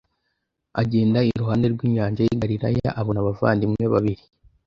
Agenda iruhande rw’inyanja y’i Galilaya abona abavandimwe babiri